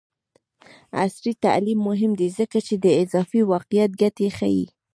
عصري تعلیم مهم دی ځکه چې د اضافي واقعیت ګټې ښيي.